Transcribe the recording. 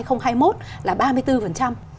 trong giai đoạn hai nghìn một mươi một